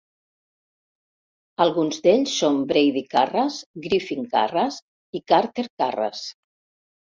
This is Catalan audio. Alguns d'ells són Brady Karras, Griffin Karras i Carter Karras.